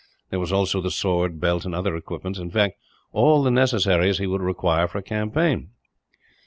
There was also the sword, belt, and other equipments; in fact, all the necessaries he would require for a campaign.